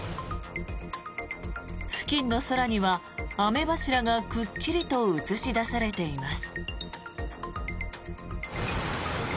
付近の空には、雨柱がくっきりと映し出されています。